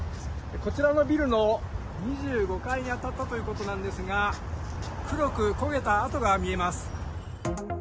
こちらのビルの２５階に当たったということなんですが黒く焦げた跡が見えます。